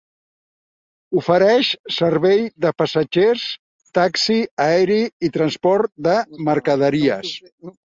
Ofereix servei de passatgers, taxi aeri i transport de mercaderies.